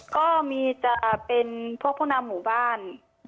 ก็มีจะเป็นพวกผู้นำหมู่บ้าน